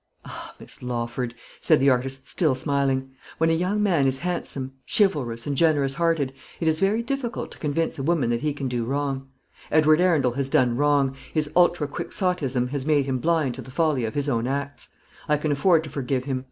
"Ah, Miss Lawford," said the artist, still smiling, "when a young man is handsome, chivalrous, and generous hearted, it is very difficult to convince a woman that he can do wrong. Edward Arundel has done wrong. His ultra quixotism has made him blind to the folly of his own acts. I can afford to forgive him.